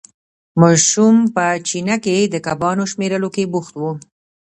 ماشوم په چینه کې د کبانو شمېرلو کې بوخت وو.